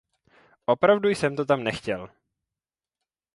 Opravdu jsem to tam nechtěl.